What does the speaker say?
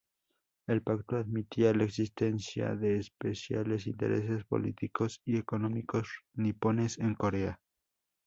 El pacto admitía la existencia de especiales intereses políticos y económicos nipones en Corea.